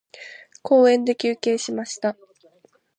公園で休憩しました。